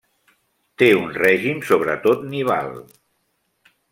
Té un règim sobretot nival.